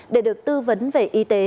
để được tư vấn về y tế